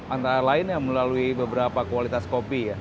antara lainnya melalui beberapa kualitas kopi